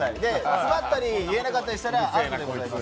詰まったり、言えなかったりしたらアウトでございます。